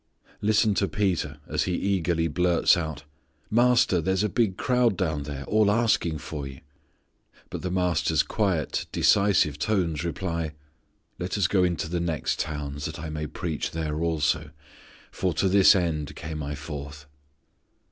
Listen to Peter as he eagerly blurts out, "Master, there's a big crowd down there, all asking for you." But the Master's quiet decisive tones reply, "Let us go into the next towns that I may preach there also; for to this end came I forth."